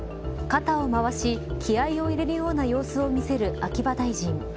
肩をまわし気合を入れるような様子を見せる秋葉大臣。